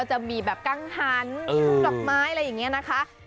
จะมีแบบกางหันยิ่งข้าวหลอกไม้อะไรแบบนี้นะคะ